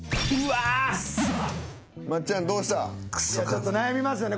ちょっと悩みますよね。